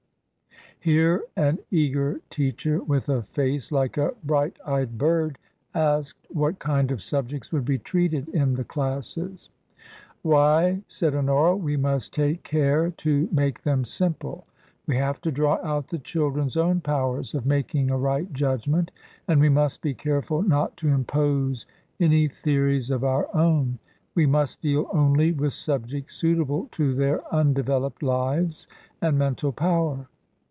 Here an eager teacher with a face like a bright eyed bird asked what kind of subjects would be treated in the classes. " Why," said Honora, " we must take care to make them simple. We have to draw out the children's own powers of making a right judgment, and we must be careful not to impose any theories of our own. We must deal only with subjects suitable to their unde veloped lives and mental power."